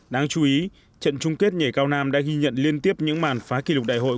đáng chú ý trận chung kết nhảy cao nam đã ghi nhận liên tiếp những màn phá kỷ lục đại hội